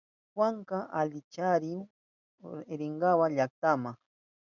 Juanka alicharihun rinanpa llaktama.